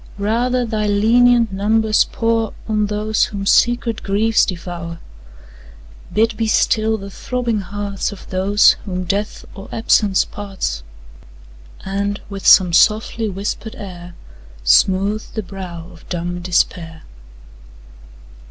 Rather thy lenient numbers pour On those whom secret griefs devour; Bid be still the throbbing hearts Of those, whom death, or absence parts, And, with some softly whisper'd air, Smooth the brow of dumb despair.